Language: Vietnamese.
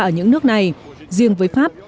ở những nước này riêng với pháp